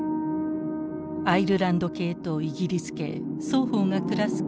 アイルランド系とイギリス系双方が暮らす北